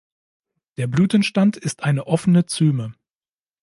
Der Blütenstand ist eine offene Zyme.